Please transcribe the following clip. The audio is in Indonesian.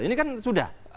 ini kan sudah